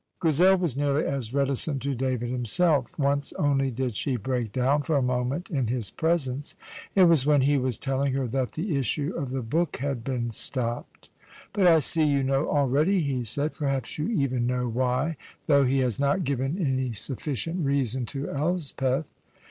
'" Grizel was nearly as reticent to David himself. Once only did she break down for a moment in his presence. It was when he was telling her that the issue of the book had been stopped. "But I see you know already," he said. "Perhaps you even know why though he has not given any sufficient reason to Elspeth."